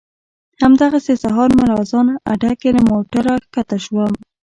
همدغسې سهار ملا اذان اډه کې له موټره ښکته شوم.